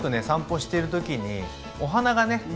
散歩してる時にお花がね